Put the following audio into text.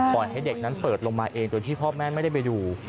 ให้เด็กนั้นเปิดลงมาเองโดยที่พ่อแม่ไม่ได้ไปดู